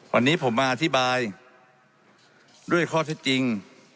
วันนี้ผมมาอธิบายด้วยข้อเท็จจริง